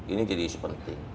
ini jadi sepenting